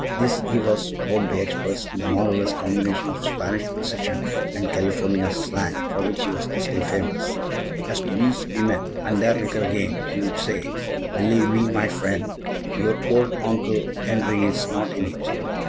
This he was wont to express in that marvelous combination of Spanish precision and California slang for which he was justly famous. "As to thees women and their little game," he would say, "believe me, my friend, your old Oncle 'Enry is not in it.